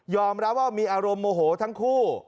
รับว่ามีอารมณ์โมโหทั้งคู่